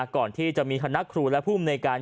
ก่อนที่จะมีคณะครูและผู้อำนวยการ